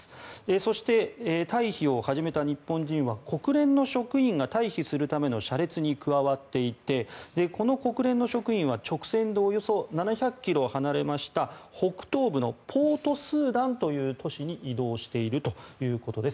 そして、退避を始めた日本人は国連の職員が退避するための車列に加わっていてこの国連の職員は直線でおよそ７００ｋｍ離れました北東部のポート・スーダンという都市に移動しているということです。